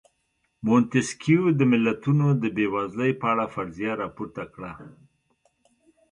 مونتیسکیو د ملتونو د بېوزلۍ په اړه فرضیه راپورته کړه.